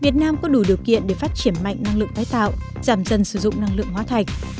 tiền để phát triển mạnh năng lượng tái tạo giảm dần sử dụng năng lượng hóa thạch